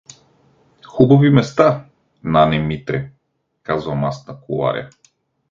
— Хубави места, нане Митре — казвам аз на коларя.